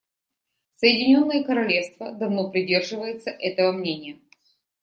Соединенное Королевство давно придерживается этого мнения.